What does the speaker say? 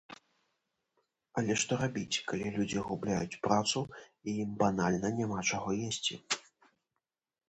Але што рабіць, калі людзі губляюць працу, і ім банальна няма чаго есці?